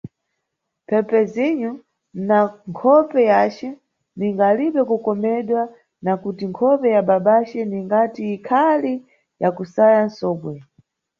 "Phelpesinho", na nkhope yace, ninga alibe kukomedwa, na kuti nkhope ya babace ningati ikhali ya kusaya nsobwe.